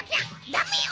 ダメよ！